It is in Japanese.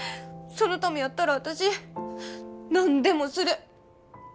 そのためやったら私何でもする。